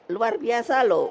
luar biasa loh